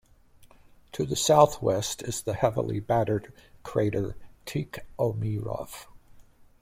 To the southwest is the heavily battered crater Tikhomirov.